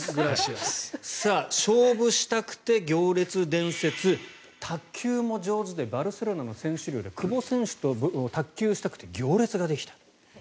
勝負したくて行列伝説、卓球も上手でバルセロナの選手寮では久保選手と卓球がしたくて行列ができた。